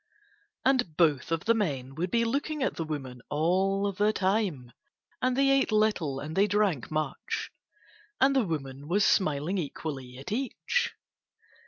And both of the men would be looking at the woman all the time, and they ate little and they drank much. And the woman was smiling equally at each.